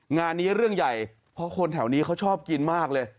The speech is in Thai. งานนี้เรื่องใหญ่เพราะคนแถวนี้เขาชอบกินมากเลย